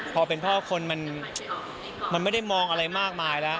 พอเป็นพ่อคนมันไม่ได้มองอะไรมากมายแล้ว